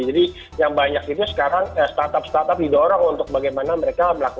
jadi yang banyak itu sekarang startup startup didorong untuk bagaimana mereka mengembangkan